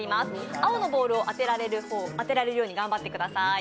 青のボールを当てられるように頑張ってください。